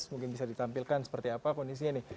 mungkin bisa ditampilkan seperti apa kondisinya nih